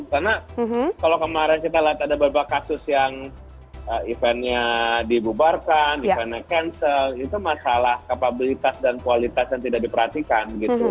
karena kalau kemarin kita lihat ada beberapa kasus yang eventnya dibubarkan eventnya cancel itu masalah kapabilitas dan kualitas yang tidak diperhatikan gitu